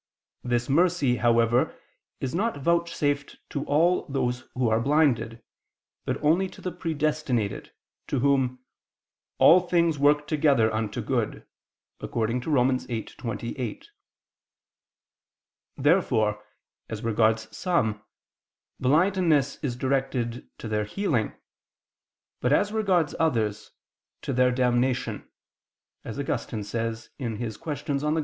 This mercy, however, is not vouchsafed to all those who are blinded, but only to the predestinated, to whom "all things work together unto good" (Rom. 8:28). Therefore as regards some, blindness is directed to their healing; but as regards others, to their damnation; as Augustine says (De Quaest. Evang.